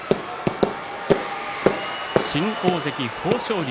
新大関豊昇龍